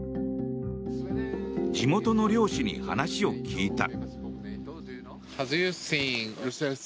地元の漁師に話を聞いた。